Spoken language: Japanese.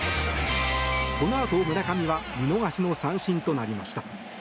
このあと村上は見逃しの三振となりました。